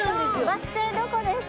バス停どこですか？